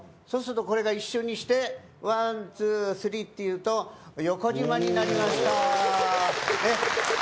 そうするとこれが一瞬にしてワンツースリーって言うと横じまになりました！